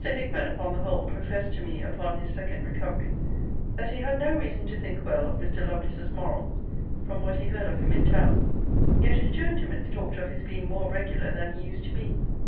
Hickman, upon the whole, professed to me, upon his second recovery, that he had no reason to think well of Mr. Lovelace's morals, from what he heard of him in town; yet his two intimates talked of his being more regular than he used to be.